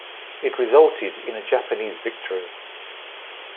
It resulted in a Japanese victory.